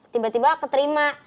tiba tiba aku terima